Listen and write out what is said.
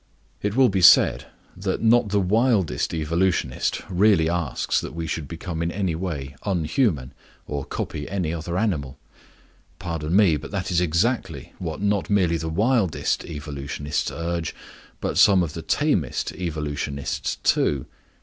It will be said that not the wildest evolutionist really asks that we should become in any way unhuman or copy any other animal. Pardon me, that is exactly what not merely the wildest evolutionists urge, but some of the tamest evolutionists too.